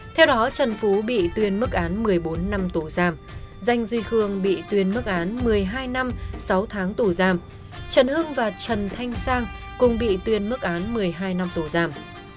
theo đó trần phú bị tuyên mức án một mươi bốn năm tù giam danh duy khương bị tuyên mức án một mươi hai năm sáu tháng tù giam trần hưng và trần thanh sang cùng bị tuyên mức án một mươi hai năm tù giam